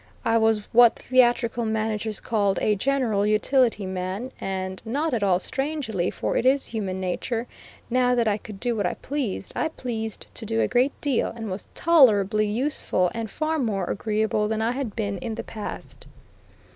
I was what theatrical managers call a general utility man, and, not at all strangely, for it is human nature, now that I could do what I pleased, I pleased to do a great deal, and was tolerably useful, and far more agreeable than I had been in the past.